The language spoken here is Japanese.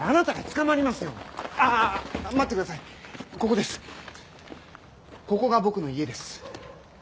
ここが僕の家です。